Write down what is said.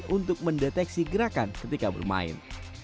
untuk mendeteksi gerakan ketika bermain